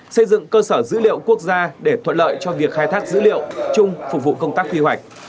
xây dựng cơ sở dữ liệu quốc gia để thuận lợi cho việc khai thác dữ liệu chung phục vụ công tác quy hoạch